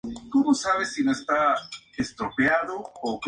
Hugh Munro nunca escaló su propia lista.